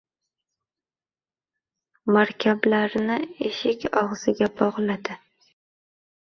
Markablarni eshik og‘ziga bog‘ladi